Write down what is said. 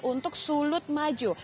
untuk sulut maju